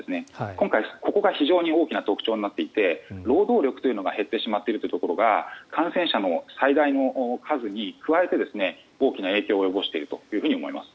今回、ここが非常に大きな特徴になっていて労働力というのが減ってしまっているというところが感染者の最大の数に加えて大きな影響を及ぼしていると思います。